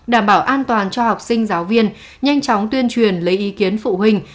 đảm bảo an toàn cho học sinh giáo viên nhanh chóng tuyên truyền lấy ý kiến phụ huynh